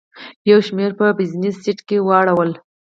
یو شمېر په بزنس سیټ کې واړول.